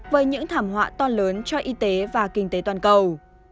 với những thảm họa to lớn cho y tế và kinh tế toàn cầu